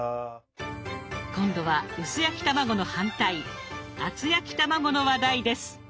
今度は薄焼き卵の反対厚焼き卵の話題です。